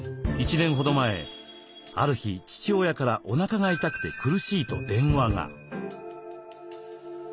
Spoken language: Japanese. １年ほど前ある日父親からおなかが痛くて苦しいと電話が。